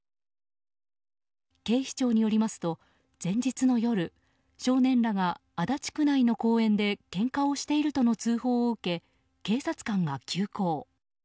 警視庁によりますと、前日の夜少年らが足立区内の公園でけんかをしているとの通報を受け警察官が急行。